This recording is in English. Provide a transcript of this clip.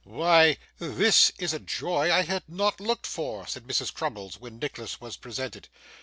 'Why this is indeed a joy I had not looked for!' said Mrs. Crummles, when Nicholas was presented.